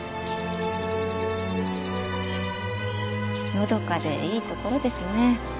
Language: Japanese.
のどかでいいところですね。